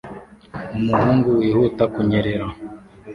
Umuhungu wihuta kunyerera